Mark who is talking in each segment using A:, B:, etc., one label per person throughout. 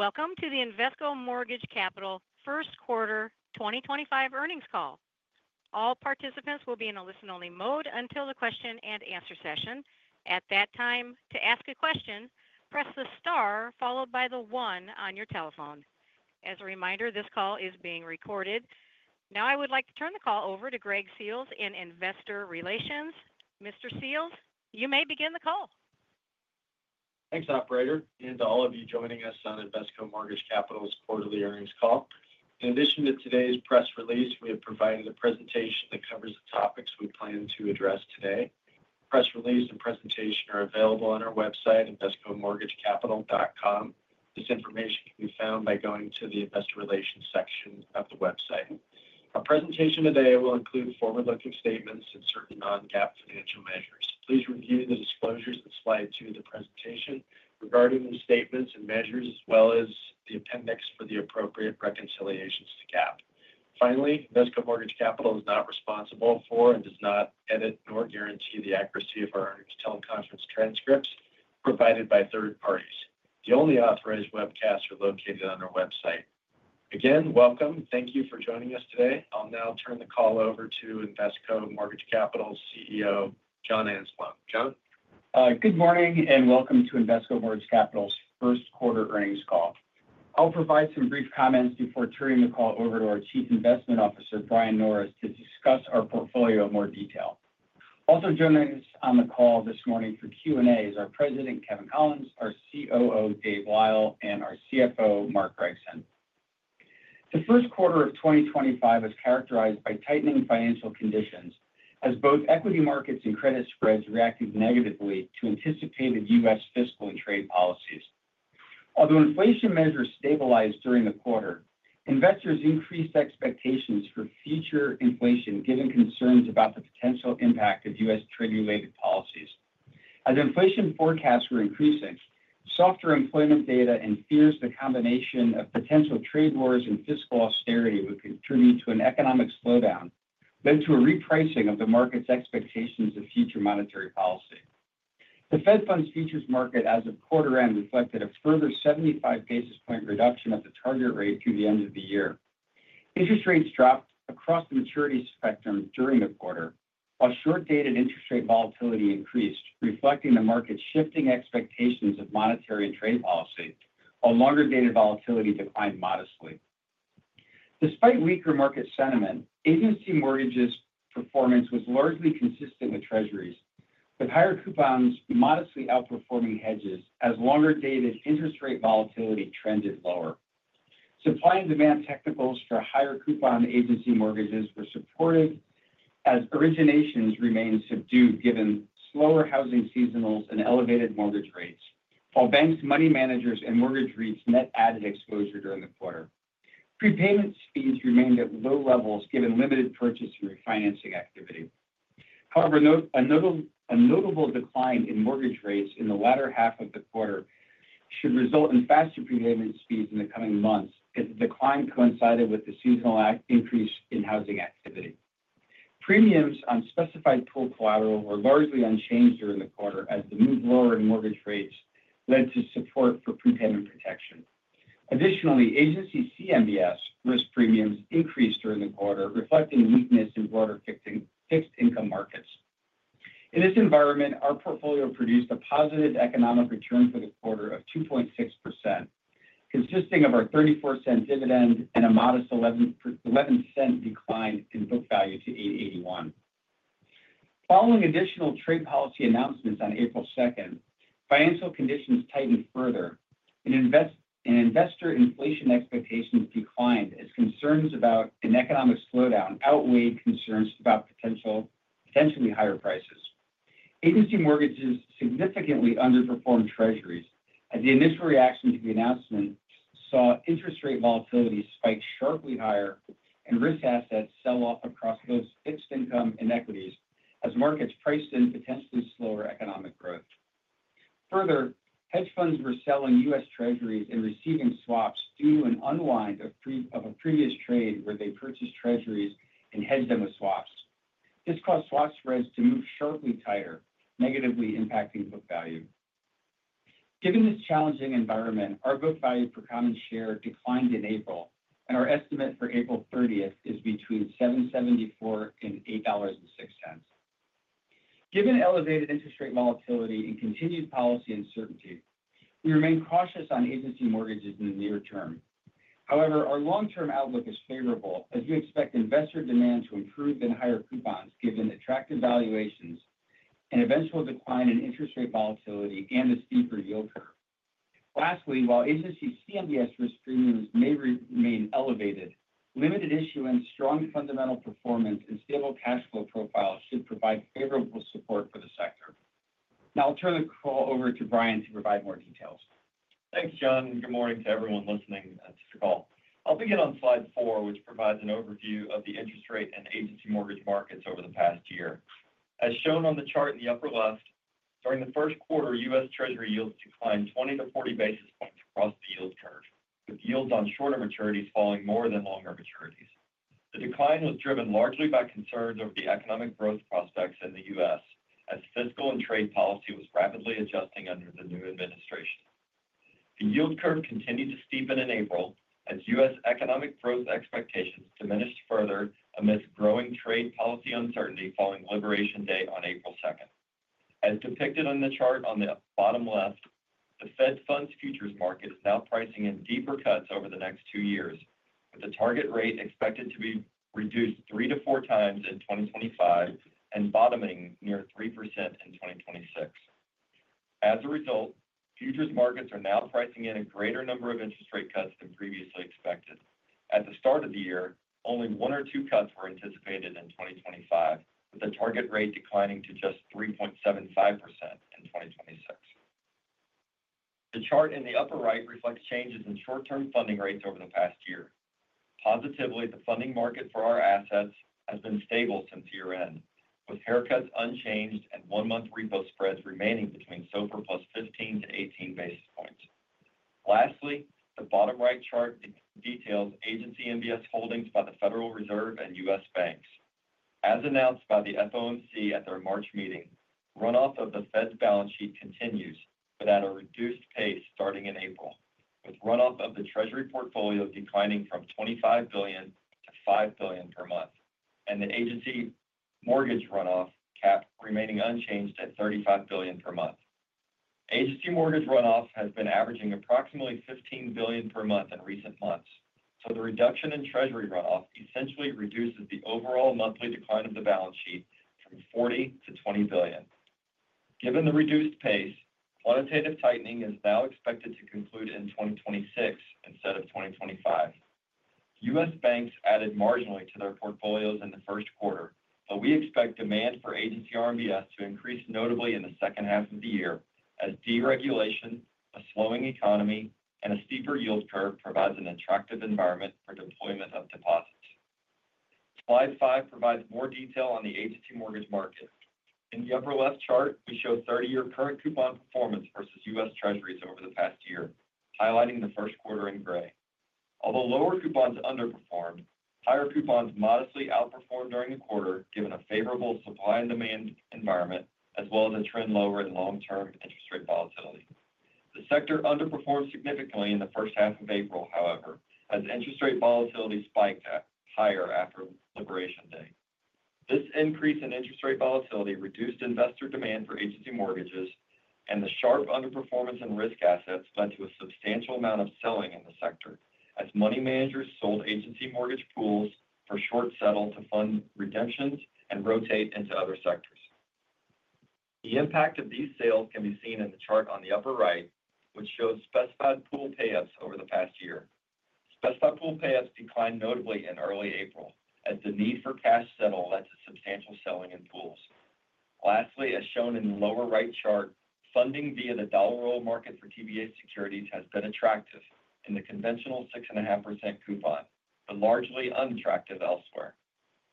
A: Welcome to the Invesco Mortgage Capital 1st Quarter 2025 Earnings Call. All participants will be in a listen-only mode until the question-and-answer session. At that time, to ask a question, press the star followed by the one on your telephone. As a reminder, this call is being recorded. Now I would like to turn the call over to Greg Seals in Investor Relations. Mr. Seals, you may begin the call.
B: Thanks, Operator, and to all of you joining us on Invesco Mortgage Capital's Quarterly Earnings Call. In addition to today's press release, we have provided a presentation that covers the topics we plan to address today. Press release and presentation are available on our website, invescomortgagecapital.com. This information can be found by going to the investor relations section of the website. Our presentation today will include forward-looking statements and certain non-GAAP financial measures. Please review the disclosures that slide to the presentation regarding the statements and measures, as well as the appendix for the appropriate reconciliations to GAAP. Finally, Invesco Mortgage Capital is not responsible for and does not edit nor guarantee the accuracy of our earnings teleconference transcripts provided by third parties. The only authorized webcasts are located on our website. Again, welcome, thank you for joining us today. I'll now turn the call over to Invesco Mortgage Capital's CEO, John Anzalone. John?
C: Good morning and welcome to Invesco Mortgage Capital's 1st Quarter Earnings Call. I'll provide some brief comments before turning the call over to our Chief Investment Officer, Brian Norris, to discuss our portfolio in more detail. Also joining us on the call this morning for Q&A is our President, Kevin Collins, our COO, Dave Lyle, and our CFO, Mark Gregson. The 1st Quarter of 2025 is characterized by tightening financial conditions as both equity markets and credit spreads reacted negatively to anticipated U.S. fiscal and trade policies. Although inflation measures stabilized during the quarter, investors increased expectations for future inflation given concerns about the potential impact of U.S. trade-related policies. As inflation forecasts were increasing, softer employment data and fears the combination of potential trade wars and fiscal austerity would contribute to an economic slowdown led to a repricing of the market's expectations of future monetary policy. The Fed Funds Futures market as of quarter-end reflected a further 75 basis point reduction of the target rate through the end of the year. Interest rates dropped across the maturity spectrum during the quarter, while short-dated interest rate volatility increased, reflecting the market's shifting expectations of monetary and trade policy, while longer-dated volatility declined modestly. Despite weaker market sentiment, agency mortgages' performance was largely consistent with Treasuries, with higher coupons modestly outperforming hedges as longer-dated interest rate volatility trended lower. Supply and demand technicals for higher coupon agency mortgages were supportive as originations remained subdued given slower housing seasonals and elevated mortgage rates, while banks, money managers, and mortgage REITs net added exposure during the quarter. Prepayment speeds remained at low levels given limited purchase and refinancing activity. However, a notable decline in mortgage rates in the latter half of the quarter should result in faster prepayment speeds in the coming months as the decline coincided with the seasonal increase in housing activity. Premiums on specified pool collateral were largely unchanged during the quarter as the move lower in mortgage rates led to support for prepayment protection. Additionally, Agency CMBS risk premiums increased during the quarter, reflecting weakness in broader fixed income markets. In this environment, our portfolio produced a positive economic return for the quarter of 2.6%, consisting of our $0.34 dividend and a modest $0.11 decline in book value to $8.81. Following additional trade policy announcements on April 2, financial conditions tightened further, and investor inflation expectations declined as concerns about an economic slowdown outweighed concerns about potentially higher prices. Agency mortgages significantly underperformed Treasuries as the initial reaction to the announcement saw interest rate volatility spike sharply higher and risk assets sell off across both fixed income and equities as markets priced in potentially slower economic growth. Further, hedge funds were selling U.S. Treasuries and receiving swaps due to an unwind of a previous trade where they purchased Treasuries and hedged them with swaps. This caused swap spreads to move sharply tighter, negatively impacting book value. Given this challenging environment, our book value per common share declined in April, and our estimate for April 30 is between $7.74 and $8.06. Given elevated interest rate volatility and continued policy uncertainty, we remain cautious on agency mortgages in the near term. However, our long-term outlook is favorable as we expect investor demand to improve and higher coupons given attractive valuations and eventual decline in interest rate volatility and a steeper yield curve. Lastly, while Agency CMBS risk premiums may remain elevated, limited issuance, strong fundamental performance, and stable cash flow profile should provide favorable support for the sector. Now, I'll turn the call over to Brian to provide more details.
D: Thanks, John. Good morning to everyone listening to the call. I'll begin on slide four, which provides an overview of the interest rate and agency mortgage markets over the past year. As shown on the chart in the upper left, during the 1st Quarter, U.S. Treasury yields declined 20-40 basis points across the yield curve, with yields on shorter maturities falling more than longer maturities. The decline was driven largely by concerns over the economic growth prospects in the U.S. as fiscal and trade policy was rapidly adjusting under the new administration. The yield curve continued to steepen in April as U.S. economic growth expectations diminished further amidst growing trade policy uncertainty following Liberation Day on April 2nd. As depicted on the chart on the bottom left, the Fed Funds Futures market is now pricing in deeper cuts over the next two years, with the target rate expected to be reduced three to four times in 2025 and bottoming near 3% in 2026. As a result, futures markets are now pricing in a greater number of interest rate cuts than previously expected. At the start of the year, only one or two cuts were anticipated in 2025, with the target rate declining to just 3.75% in 2026. The chart in the upper right reflects changes in short-term funding rates over the past year. Positively, the funding market for our assets has been stable since year-end, with haircuts unchanged and one-month repo spreads remaining between plus 15-18 basis points. Lastly, the bottom right chart details Agency MBS holdings by the Federal Reserve and U.S. banks. As announced by the FOMC at their March meeting, runoff of the Fed's balance sheet continues but at a reduced pace starting in April, with runoff of the Treasury portfolio declining from $25 billion to $5 billion per month and the agency mortgage runoff cap remaining unchanged at $35 billion per month. Agency mortgage runoff has been averaging approximately $15 billion per month in recent months, so the reduction in Treasury runoff essentially reduces the overall monthly decline of the balance sheet from $40 billion to $20 billion. Given the reduced pace, quantitative tightening is now expected to conclude in 2026 instead of 2025. U.S. banks added marginally to their portfolios in the 1st Quarter, but we expect demand for agency RMBS to increase notably in the second half of the year as deregulation, a slowing economy, and a steeper yield curve provides an attractive environment for deployment of deposits. Slide five provides more detail on the agency mortgage market. In the upper left chart, we show 30-year current coupon performance versus U.S. Treasuries over the past year, highlighting the 1st Quarter in gray. Although lower coupons underperformed, higher coupons modestly outperformed during the quarter given a favorable supply and demand environment, as well as a trend lower in long-term interest rate volatility. The sector underperformed significantly in the first half of April, however, as interest rate volatility spiked higher after Liberation Day. This increase in interest rate volatility reduced investor demand for agency mortgages, and the sharp underperformance in risk assets led to a substantial amount of selling in the sector as money managers sold agency mortgage pools for short settle to fund redemptions and rotate into other sectors. The impact of these sales can be seen in the chart on the upper right, which shows specified pool payouts over the past year. Specified pool payouts declined notably in early April as the need for cash settle led to substantial selling in pools. Lastly, as shown in the lower right chart, funding via the dollar roll market for TBA securities has been attractive in the conventional 6.5% coupon, but largely unattractive elsewhere.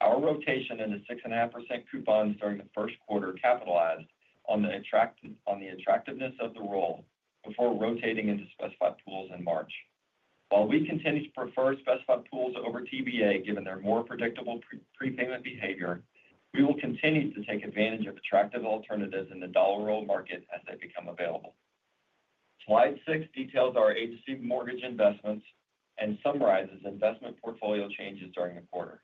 D: Our rotation in the 6.5% coupons during the 1st Quarter capitalized on the attractiveness of the roll before rotating into specified pools in March. While we continue to prefer specified pools over TBA given their more predictable prepayment behavior, we will continue to take advantage of attractive alternatives in the dollar roll market as they become available. Slide six details our agency mortgage investments and summarizes investment portfolio changes during the quarter.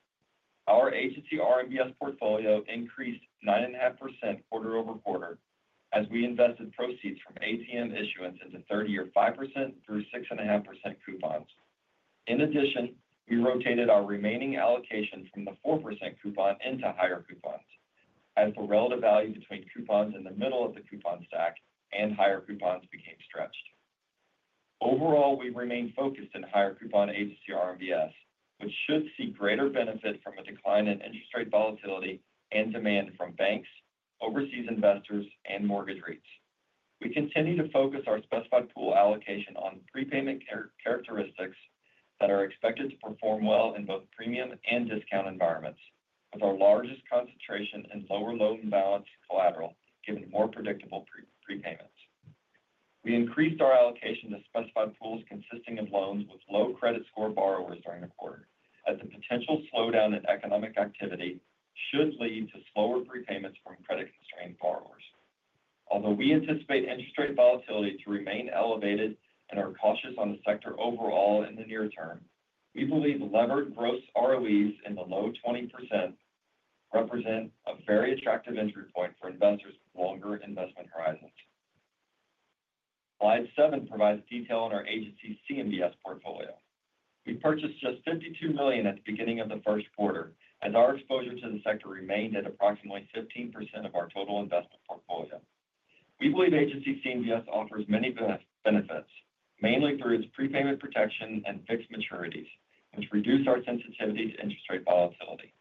D: Our agency RMBS portfolio increased 9.5% quarter over quarter as we invested proceeds from ATM issuance into 30-year 5%-6.5% coupons. In addition, we rotated our remaining allocation from the 4% coupon into higher coupons as the relative value between coupons in the middle of the coupon stack and higher coupons became stretched. Overall, we remain focused in higher coupon agency RMBS, which should see greater benefit from a decline in interest rate volatility and demand from banks, overseas investors, and mortgage REITs. We continue to focus our specified pool allocation on prepayment characteristics that are expected to perform well in both premium and discount environments, with our largest concentration in lower loan balance collateral given more predictable prepayments. We increased our allocation to specified pools consisting of loans with low credit score borrowers during the quarter as the potential slowdown in economic activity should lead to slower prepayments from credit-constrained borrowers. Although we anticipate interest rate volatility to remain elevated and are cautious on the sector overall in the near term, we believe levered gross ROEs in the low 20% represent a very attractive entry point for investors with longer investment horizons. Slide seven provides detail on our Agency CMBS portfolio. We purchased just $52 million at the beginning of the 1st Quarter as our exposure to the sector remained at approximately 15% of our total investment portfolio. We believe Agency CMBS offers many benefits, mainly through its prepayment protection and fixed maturities, which reduce our sensitivity to interest rate volatility.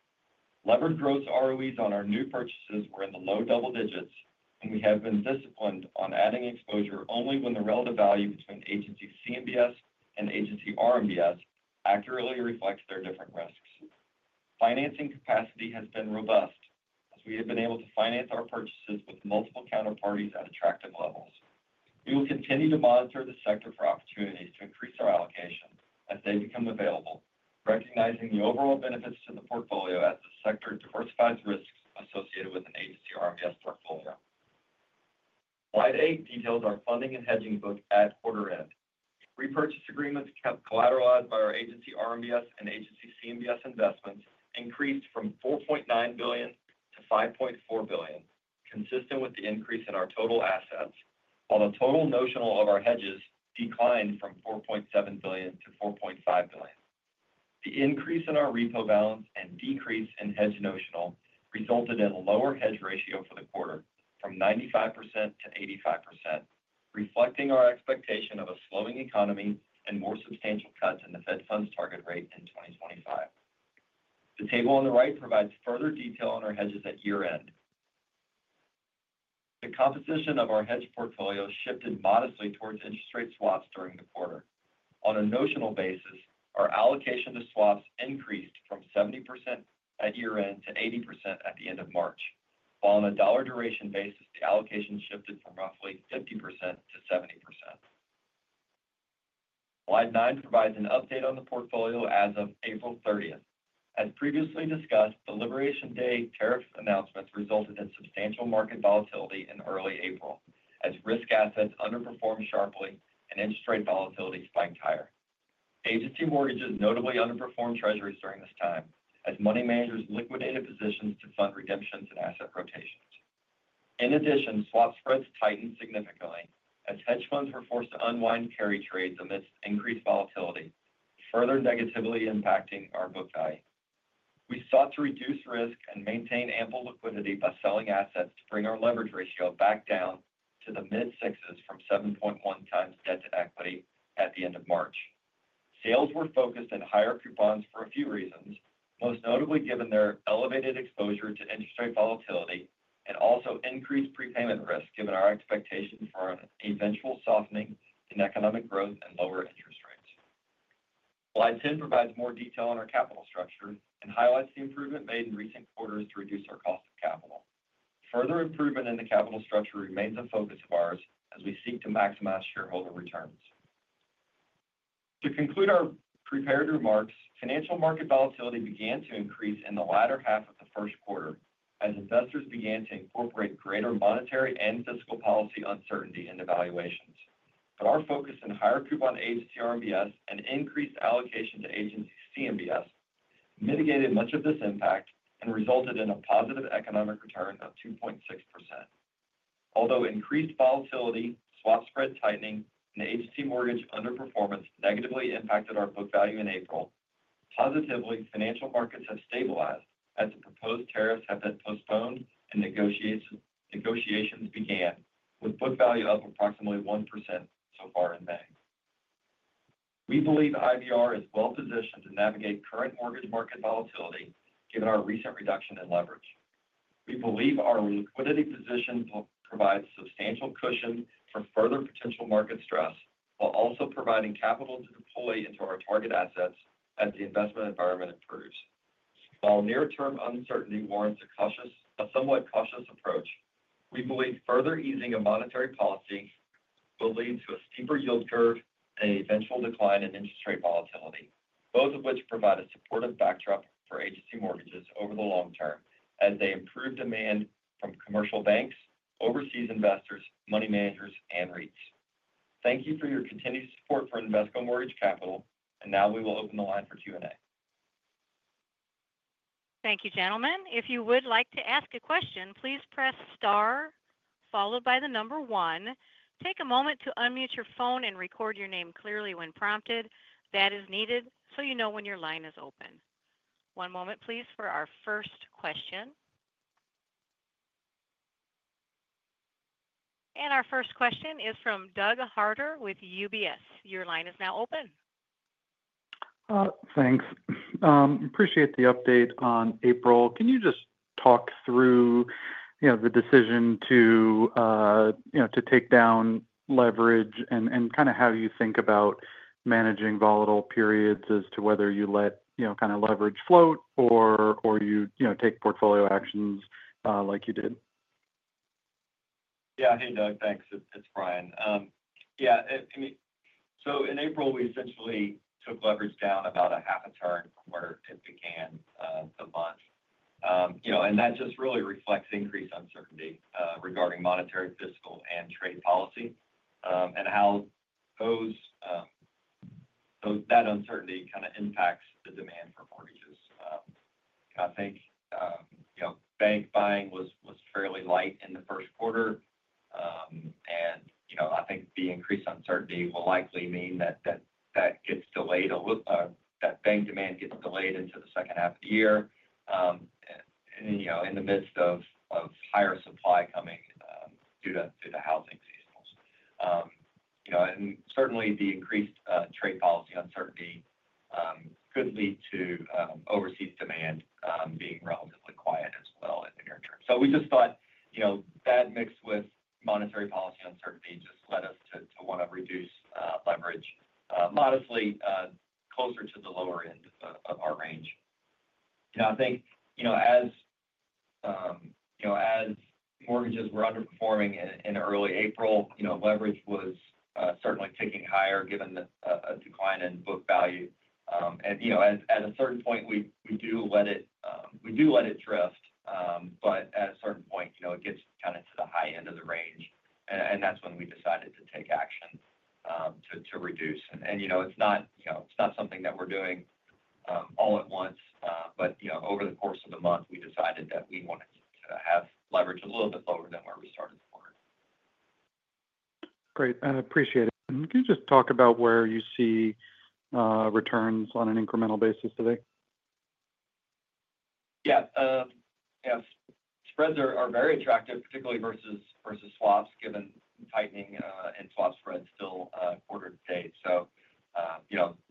D: Levered gross ROEs on our new purchases were in the low double digits, and we have been disciplined on adding exposure only when the relative value between Agency CMBS and Agency RMBS accurately reflects their different risks. Financing capacity has been robust as we have been able to finance our purchases with multiple counterparties at attractive levels. We will continue to monitor the sector for opportunities to increase our allocation as they become available, recognizing the overall benefits to the portfolio as the sector diversifies risks associated with an Agency RMBS portfolio. Slide eight details our funding and hedging book at quarter-end. Repurchase agreements kept collateralized by our Agency RMBS and Agency CMBS investments increased from $4.9 billion to $5.4 billion, consistent with the increase in our total assets, while the total notional of our hedges declined from $4.7 billion to $4.5 billion. The increase in our repo balance and decrease in hedge notional resulted in a lower hedge ratio for the quarter from 95% to 85%, reflecting our expectation of a slowing economy and more substantial cuts in the Fed Funds target rate in 2025. The table on the right provides further detail on our hedges at year-end. The composition of our hedge portfolio shifted modestly towards interest rate swaps during the quarter. On a notional basis, our allocation to swaps increased from 70% at year-end to 80% at the end of March, while on a dollar duration basis, the allocation shifted from roughly 50% to 70%. Slide nine provides an update on the portfolio as of April 30th. As previously discussed, the Liberation Day tariff announcements resulted in substantial market volatility in early April as risk assets underperformed sharply and interest rate volatility spiked higher. Agency mortgages notably underperformed Treasuries during this time as money managers liquidated positions to fund redemptions and asset rotations. In addition, swap spreads tightened significantly as hedge funds were forced to unwind carry trades amidst increased volatility, further negatively impacting our book value. We sought to reduce risk and maintain ample liquidity by selling assets to bring our leverage ratio back down to the mid-sixes from 7.1 times debt to equity at the end of March. Sales were focused in higher coupons for a few reasons, most notably given their elevated exposure to interest rate volatility and also increased prepayment risk given our expectation for an eventual softening in economic growth and lower interest rates. Slide 10 provides more detail on our capital structure and highlights the improvement made in recent quarters to reduce our cost of capital. Further improvement in the capital structure remains a focus of ours as we seek to maximize shareholder returns. To conclude our prepared remarks, financial market volatility began to increase in the latter half of the 1st Quarter as investors began to incorporate greater monetary and fiscal policy uncertainty into valuations. Our focus in higher coupon agency RMBS and increased allocation to agency CMBS mitigated much of this impact and resulted in a positive economic return of 2.6%. Although increased volatility, swap spread tightening, and agency mortgage underperformance negatively impacted our book value in April, financial markets have stabilized as the proposed tariffs have been postponed and negotiations began, with book value up approximately 1% so far in May. We believe IVR is well positioned to navigate current mortgage market volatility given our recent reduction in leverage. We believe our liquidity position provides substantial cushion for further potential market stress while also providing capital to deploy into our target assets as the investment environment improves. While near-term uncertainty warrants a somewhat cautious approach, we believe further easing of monetary policy will lead to a steeper yield curve and an eventual decline in interest rate volatility, both of which provide a supportive backdrop for agency mortgages over the long term as they improve demand from commercial banks, overseas investors, money managers, and REITs. Thank you for your continued support for Invesco Mortgage Capital, and now we will open the line for Q&A.
A: Thank you gentlemen, If you would like to ask a question, please press star followed by the number one. Take a moment to unmute your phone and record your name clearly when prompted. That is needed so you know when your line is open. One moment, please, for our first question. Our first question is from Doug Harter with UBS. Your line is now open.
E: Thanks. Appreciate the update on April. Can you just talk through the decision to take down leverage and kind of how you think about managing volatile periods as to whether you let kind of leverage float or you take portfolio actions like you did?
D: Yeah. Hey, Doug. Thanks. It's Brian. Yeah. In April, we essentially took leverage down about a half a turn from where it began the month. That just really reflects increased uncertainty regarding monetary, fiscal, and trade policy and how that uncertainty kind of impacts the demand for mortgages. I think bank buying was fairly light in the 1st Quarter, and I think the increased uncertainty will likely mean that that bank demand gets delayed into the second half of the year in the midst of higher supply coming due to housing seasons. Certainly, the increased trade policy uncertainty could lead to overseas demand being relatively quiet as well in the near term. We just thought that mixed with monetary policy uncertainty just led us to want to reduce leverage modestly closer to the lower end of our range. I think as mortgages were underperforming in early April, leverage was certainly ticking higher given a decline in book value. At a certain point, we do let it drift, but at a certain point, it gets kind of to the high end of the range, and that's when we decided to take action to reduce. It's not something that we're doing all at once, but over the course of the month, we decided that we wanted to have leverage a little bit lower than where we started the quarter.
E: Great. I appreciate it. Can you just talk about where you see returns on an incremental basis today?
D: Yeah. Spreads are very attractive, particularly versus swaps given tightening in swap spreads still quarter to date. So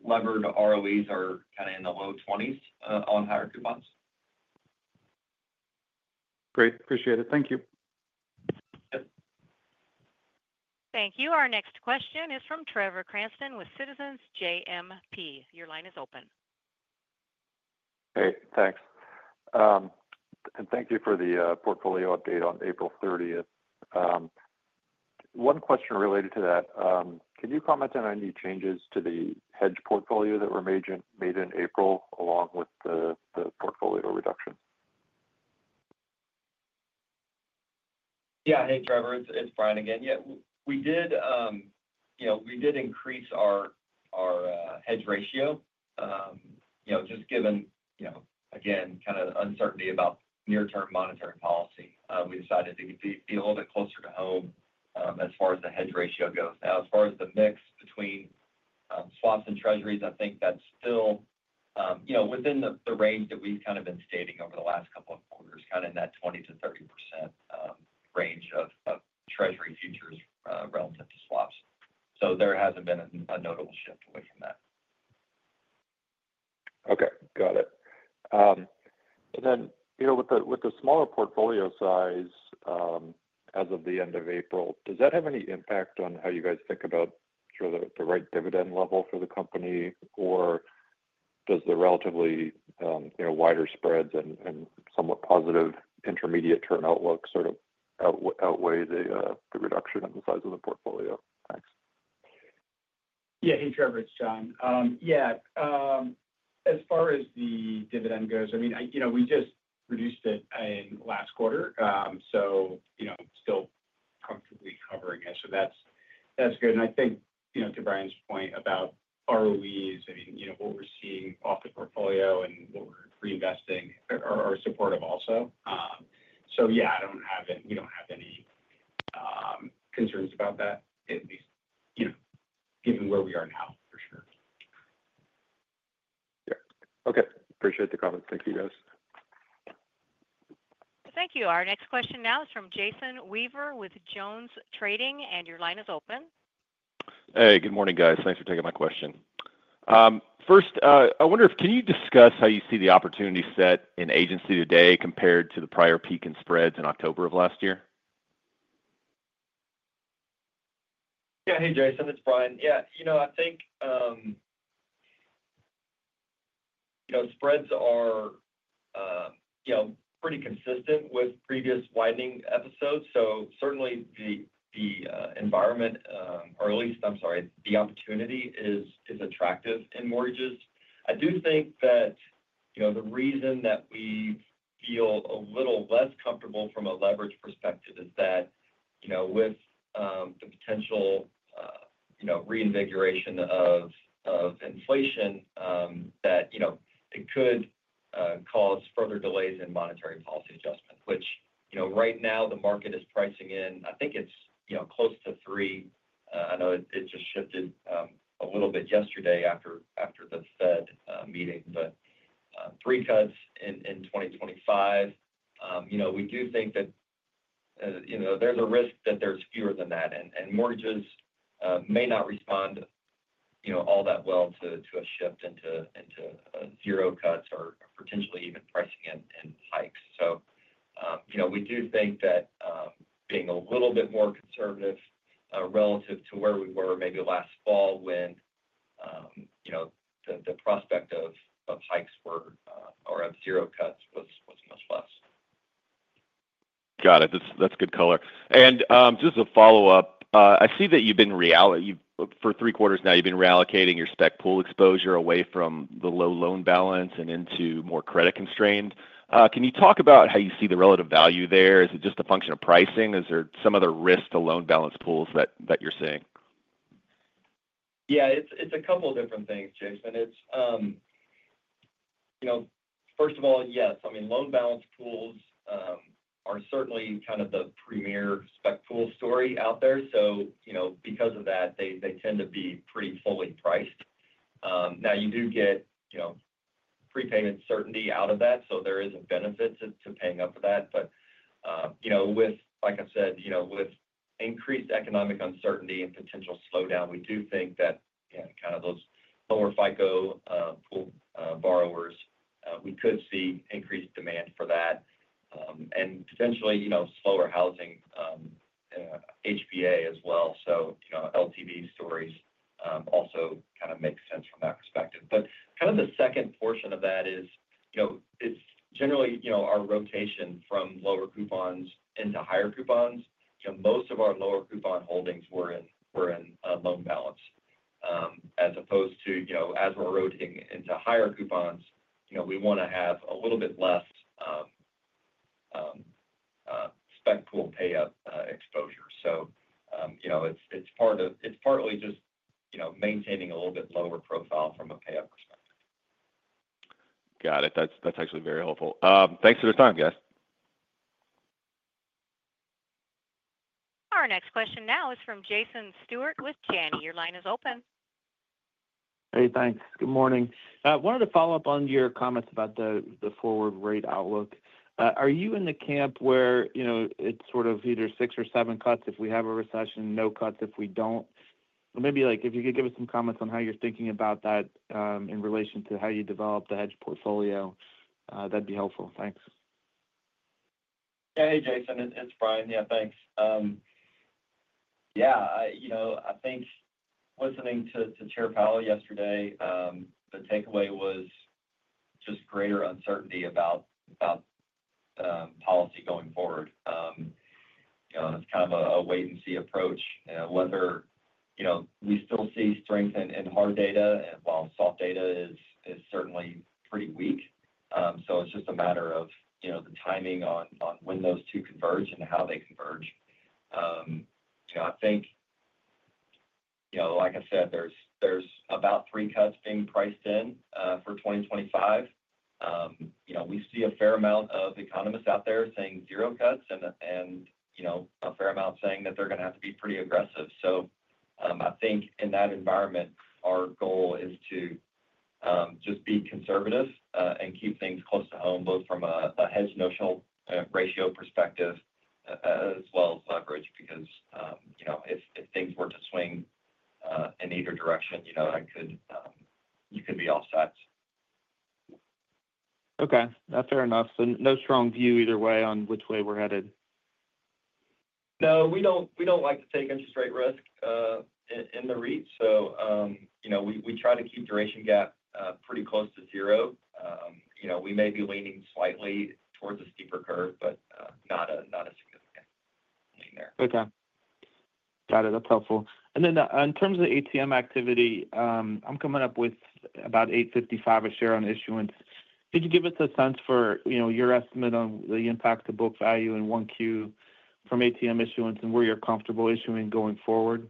D: levered ROEs are kind of in the low 20s on higher coupons.
E: Great. Appreciate it. Thank you.
A: Thank you. Our next question is from Trevor Cranston with Citizens JMP. Your line is open.
F: Hey. Thanks. And thank you for the portfolio update on April 30th. One question related to that. Can you comment on any changes to the hedge portfolio that were made in April along with the portfolio reductions?
D: Yeah. Hey, Trevor. It's Brian again. Yeah. We did increase our hedge ratio just given, again, kind of uncertainty about near-term monetary policy. We decided to be a little bit closer to home as far as the hedge ratio goes. Now, as far as the mix between swaps and Treasuries, I think that's still within the range that we've kind of been stating over the last couple of quarters, kind of in that 20-30% range of Treasury futures relative to swaps. There hasn't been a notable shift away from that.
F: Okay. Got it. And then with the smaller portfolio size as of the end of April, does that have any impact on how you guys think about the right dividend level for the company, or does the relatively wider spreads and somewhat positive intermediate term outlook sort of outweigh the reduction in the size of the portfolio? Thanks.
C: Yeah. Hey, Trevor. It's John. Yeah. As far as the dividend goes, I mean, we just reduced it in last quarter, so still comfortably covering it. So that's good. I think to Brian's point about ROEs, I mean, what we're seeing off the portfolio and what we're reinvesting are supportive also. Yeah, we don't have any concerns about that, at least given where we are now, for sure. Yeah.
F: Okay. Appreciate the comments. Thank you, guys.
A: Thank you. Our next question now is from Jason Weaver with JonesTrading, and your line is open.
G: Hey. Good morning, guys. Thanks for taking my question. First, I wonder if can you discuss how you see the opportunity set in agency today compared to the prior peak in spreads in October of last year?
D: Yeah. Hey, Jason. It's Brian. Yeah. I think spreads are pretty consistent with previous widening episodes. Certainly, the environment, or at least, I'm sorry, the opportunity is attractive in mortgages. I do think that the reason that we feel a little less comfortable from a leverage perspective is that with the potential reinvigoration of inflation, it could cause further delays in monetary policy adjustments, which right now the market is pricing in. I think it's close to three. I know it just shifted a little bit yesterday after the Fed meeting, but three cuts in 2025. We do think that there's a risk that there's fewer than that, and mortgages may not respond all that well to a shift into zero cuts or potentially even pricing in hikes. We do think that being a little bit more conservative relative to where we were maybe last fall when the prospect of hikes or of zero cuts was much less.
G: Got it. That's good color. Just a follow-up. I see that you've been for three quarters now, you've been reallocating your spec pool exposure away from the low loan balance and into more credit-constrained. Can you talk about how you see the relative value there? Is it just a function of pricing? Is there some other risk to loan balance pools that you're seeing?
D: Yeah. It's a couple of different things, Jason. First of all, yes. I mean, loan balance pools are certainly kind of the premier spec pool story out there. Because of that, they tend to be pretty fully priced. Now, you do get prepayment certainty out of that, so there is a benefit to paying up for that. Like I said, with increased economic uncertainty and potential slowdown, we do think that kind of those lower FICO pool borrowers, we could see increased demand for that and potentially slower housing, HBA as well. LTV stories also kind of make sense from that perspective. The second portion of that is generally our rotation from lower coupons into higher coupons. Most of our lower coupon holdings were in loan balance as opposed to as we're rotating into higher coupons, we want to have a little bit less spec pool payout exposure. It is partly just maintaining a little bit lower profile from a payout perspective.
G: Got it. That's actually very helpful. Thanks for your time, guys.
A: Our next question now is from Jason Stewart with Janney. Your line is open.
H: Hey. Thanks. Good morning. Wanted to follow up on your comments about the forward rate outlook. Are you in the camp where it's sort of either six or seven cuts if we have a recession, no cuts if we do not? Maybe if you could give us some comments on how you are thinking about that in relation to how you develop the hedge portfolio, that would be helpful. Thanks.
D: Yeah. Hey, Jason. It's Brian. Yeah. Thanks. Yeah. I think listening to Chair Powell yesterday, the takeaway was just greater uncertainty about policy going forward. It is kind of a wait-and-see approach. Whether we still see strength in hard data while soft data is certainly pretty weak. It is just a matter of the timing on when those two converge and how they converge. I think, like I said, there is about three cuts being priced in for 2025. We see a fair amount of economists out there saying zero cuts and a fair amount saying that they're going to have to be pretty aggressive. I think in that environment, our goal is to just be conservative and keep things close to home, both from a hedge notional ratio perspective as well as leverage, because if things were to swing in either direction, you could be offside. Okay. That's fair enough. No strong view either way on which way we're headed. No. We don't like to take interest rate risk in the REITs. We try to keep duration gap pretty close to zero. We may be leaning slightly towards a steeper curve, but not a significant lean there.
H: Okay. Got it. That's helpful. In terms of the ATM activity, I'm coming up with about $8.55 a share on issuance. Could you give us a sense for your estimate on the impact to book value in one Q from ATM issuance and where you're comfortable issuing going forward?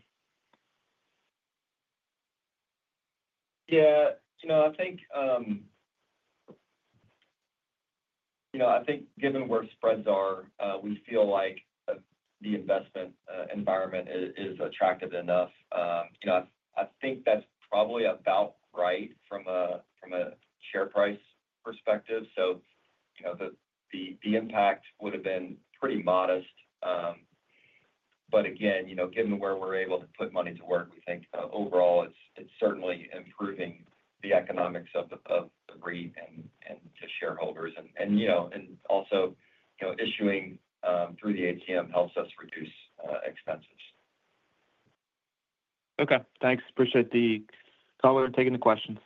D: Yeah. I think given where spreads are, we feel like the investment environment is attractive enough. I think that's probably about right from a share price perspective. The impact would have been pretty modest. Again, given where we're able to put money to work, we think overall it's certainly improving the economics of the REIT and to shareholders. Also, issuing through the ATM helps us reduce expenses.
H: Okay. Thanks. Appreciate the color and taking the questions.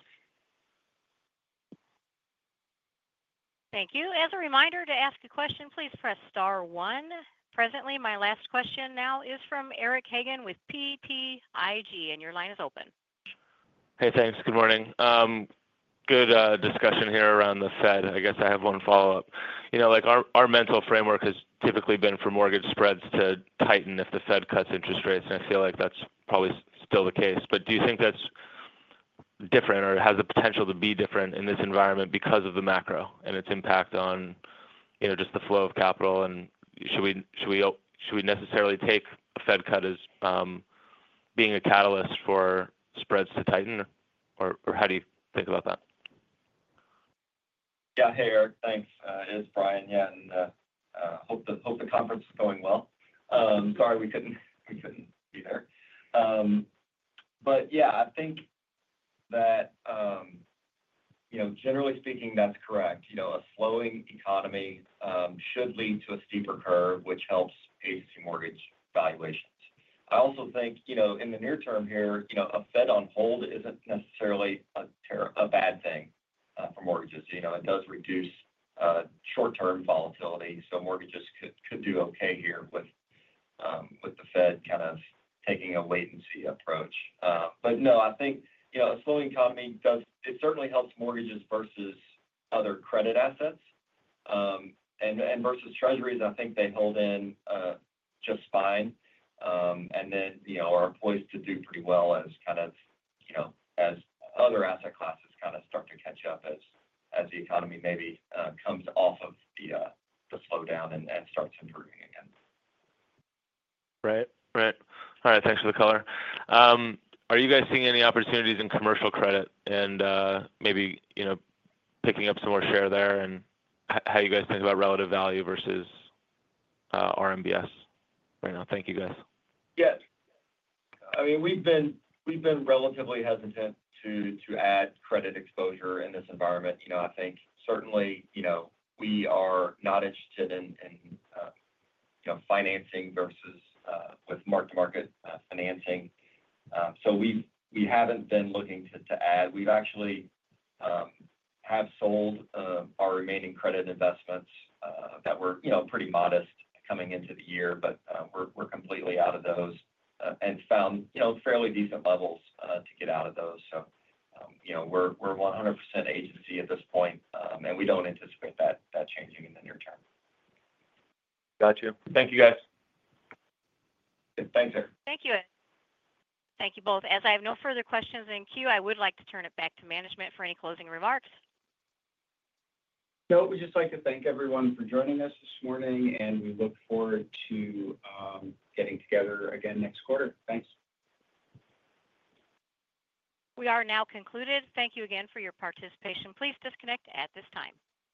A: Thank you. As a reminder, to ask a question, please press star one. Presently, my last question now is from Eric Hagen with BTIG, and your line is open.
I: Hey. Thanks. Good morning. Good discussion here around the Fed. I guess I have one follow-up. Our mental framework has typically been for mortgage spreads to tighten if the Fed cuts interest rates, and I feel like that's probably still the case. Do you think that's different or has the potential to be different in this environment because of the macro and its impact on just the flow of capital? Should we necessarily take a Fed cut as being a catalyst for spreads to tighten? How do you think about that?
D: Yeah. Hey, Eric. Thanks. It's Brian. Yeah. I hope the conference is going well. Sorry we couldn't be there. Yeah, I think that generally speaking, that's correct. A slowing economy should lead to a steeper curve, which helps agency mortgage valuations. I also think in the near term here, a Fed on hold isn't necessarily a bad thing for mortgages. It does reduce short-term volatility. Mortgages could do okay here with the Fed kind of taking a wait-and-see approach. No, I think a slowing economy does certainly help mortgages versus other credit assets. Versus Treasuries, I think they hold in just fine. They are poised to do pretty well as other asset classes start to catch up as the economy maybe comes off of the slowdown and starts improving again.
I: Right. Right. All right. Thanks for the color. Are you guys seeing any opportunities in commercial credit and maybe picking up some more share there and how you guys think about relative value versus RMBS right now? Thank you, guys.
C: Yes. I mean, we've been relatively hesitant to add credit exposure in this environment. I think certainly we are not interested in financing versus with mark-to-market financing. We have not been looking to add. We actually have sold our remaining credit investments that were pretty modest coming into the year, but we're completely out of those and found fairly decent levels to get out of those. So we're 100% agency at this point, and we don't anticipate that changing in the near term.
I: Gotcha. Thank you, guys.
D: Thanks, Eric.
A: Thank you. Thank you both. As I have no further questions in queue, I would like to turn it back to management for any closing remarks.
C: So, we'd just like to thank everyone for joining us this morning, and we look forward to getting together again next quarter. Thanks.
A: We are now concluded. Thank you again for your participation. Please disconnect at this time.